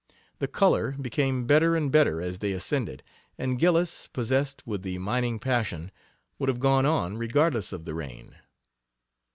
The "color" became better and better as they ascended, and Gillis, possessed with the mining passion, would have gone on, regardless of the rain.